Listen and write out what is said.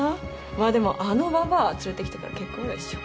まあでもあのばばあ連れてきたから結果オーライっしょ。